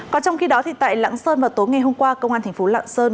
còn trong khi đó tại lạng sơn vào tối ngày hôm qua công an thành phố lạng sơn